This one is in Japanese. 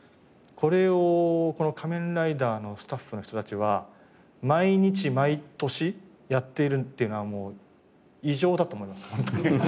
これをこの『仮面ライダー』のスタッフの人たちは毎日毎年やっているっていうのはもう異常だと思いますホントに。